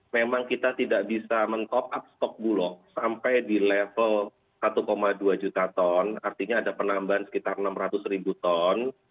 memang kita tidak bisa men top up stok bulog sampai di level satu dua juta ton artinya ada penambahan sekitar enam ratus ribu ton